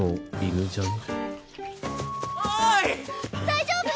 大丈夫？